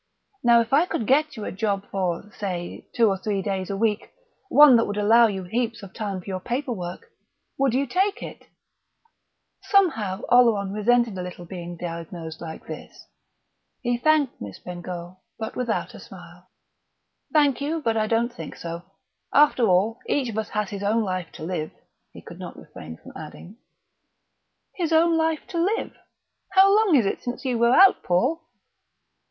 Now, if I could get you a job, for, say, two or three days a week, one that would allow you heaps of time for your proper work would you take it?" Somehow, Oleron resented a little being diagnosed like this. He thanked Miss Bengough, but without a smile. "Thank you, but I don't think so. After all each of us has his own life to live," he could not refrain from adding. "His own life to live!... How long is it since you were out, Paul?"